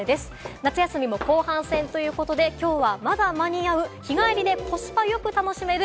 夏休みも後半戦ということで、きょうはまだ間に合う、日帰りでコスパよく楽しめる